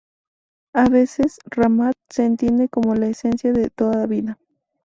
A veces "ramat" se entiende como la esencia de toda vida.